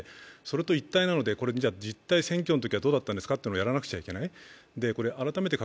それと一体なので、選挙のときは実態どうだったんですかというのをやらなければいけない。